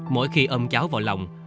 mỗi khi ôm cháu vào lòng